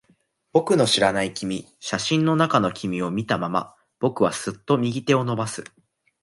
僕の知らない君。写真の中の君を見たまま、僕はすっと右手を伸ばす。